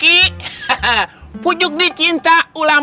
di audio iya bukan